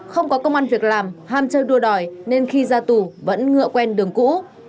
không có công an việc làm ham chơi đua đòi nên khi ra tù vẫn ngựa quen đường cũ